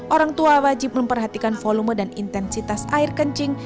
orang tua wajib memperhatikan volume dan intensitas air kencing